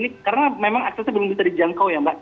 ini karena memang aksesnya belum bisa dijangkau ya mbak